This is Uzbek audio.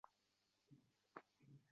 u yerda sotilayotgan nashrlarga